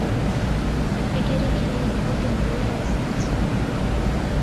ئەگەرێک هەیە کە ئەو دەنگۆیە ڕاست بێت.